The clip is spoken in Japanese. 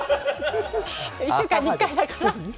１週間に１回だから。